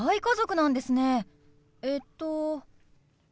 えっと？